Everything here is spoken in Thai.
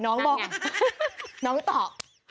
น้องตอป